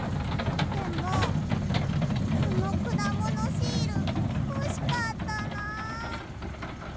でもこのくだものシールほしかったなあ。